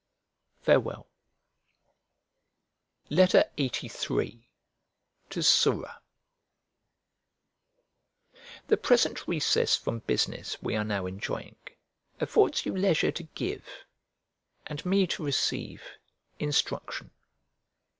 Farewell. LXXXIII To SURA THE present recess from business we are now enjoying affords you leisure to give, and me to receive, instruction.